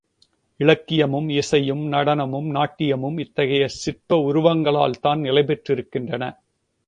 இலக்கியமும், இசையும், நடனமும் நாட்டியமும் இத்தகைய சிற்ப உருவங்களால்தான் நிலைபெற்றிருக்கின்றன.